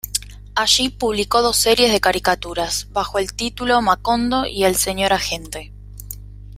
Allí publicó dos series de caricaturas, bajo el título Macondo y El Señor Agente.